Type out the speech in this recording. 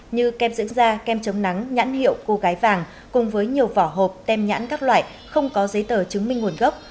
như kem dưỡng da kem chống nắng nhãn hiệu cô gái vàng cùng với nhiều vỏ hộp tem nhãn các loại không có giấy tờ chứng minh nguồn gốc